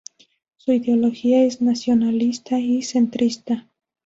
Su ideología es nacionalista y centrista.